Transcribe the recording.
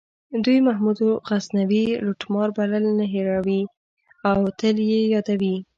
دوی محمود غزنوي لوټمار بلل نه هیروي او تل یې یادوي.